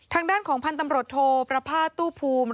ทางด้านของพันธ์ตำรวจโทประพาทตู้ภูมิ